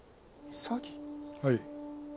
はい。